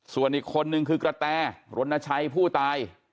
ส่วนอีกคนนึงคือกระแตรรณชัยผู้ตาย